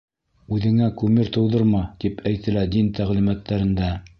— Үҙеңә кумир тыуҙырма, тип әйтелә дин тәғлимәттәрендә.